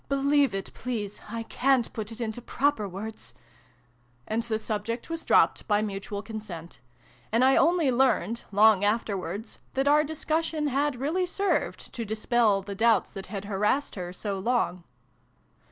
" Believe it, please ! I ca'n't put it into proper words !" and the subject was dropped by mutual consent : and I only learned, long afterwards, that our discussion had really served to dispel the doubts that had harassed her so long.